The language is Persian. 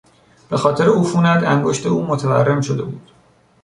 به خاطر عفونت انگشت او متورم شده بود.